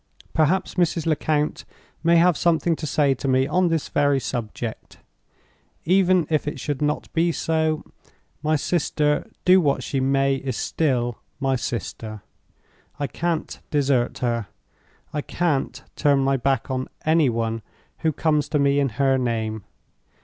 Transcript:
Perhaps Mrs. Lecount may have something to say to me on this very subject. Even if it should not be so, my sister—do what she may—is still my sister. I can't desert her; I can't turn my back on any one who comes to me in her name.